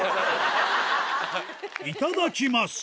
いただきます